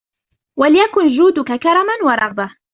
وَلْيَكُنْ جُودُك كَرْمًا وَرَغْبَةً